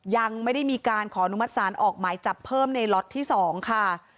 ยังไม่ได้มีการขออนุมัติศาลออกหมายจับเพิ่มในล็อตที่๒ค่ะ